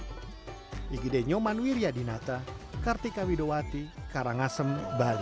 ini adalah nyaman wiryadinata kartika widowati karangasem bali